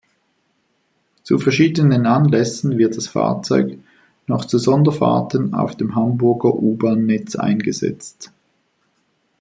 Zu verschiedenen Anlässen wird das Fahrzeug noch zu Sonderfahrten auf dem Hamburger U-Bahn-Netz eingesetzt.